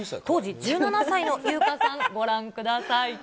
当時１７歳の優香さん、ご覧ください。